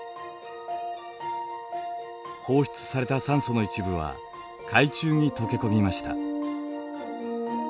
放出された酸素の一部は海中に溶け込みました。